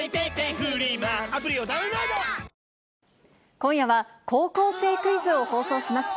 今夜は、高校生クイズを放送します。